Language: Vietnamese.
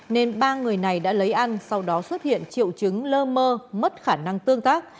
nên ba người này đã lấy ăn sau đó xuất hiện triệu chứng lơ mơ mất khả năng tương tác